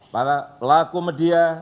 para pelaku media